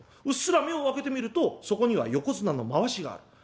うっすら目を開けてみるとそこには横綱のまわしがある。